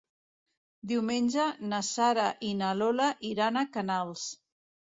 Diumenge na Sara i na Lola iran a Canals.